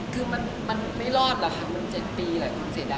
คือมันไม่รอดเหรอคะ๗ปีมันเสดาย